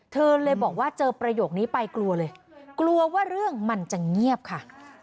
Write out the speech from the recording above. เธอเลยบอกว่าเจอประโยคนี้ไปกลัวเลยกลัวว่าเรื่องมันจะเงียบค่ะ